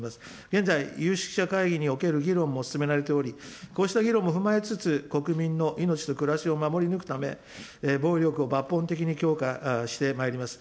現在、有識者会議における議論も進められており、こうした議論も踏まえつつ、国民の命と暮らしを守り抜くため、防衛力を抜本的に強化してまいります。